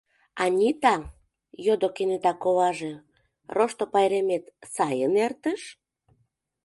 — Анита, - йодо кенета коваже, - Рошто пайремет сайын эртыш?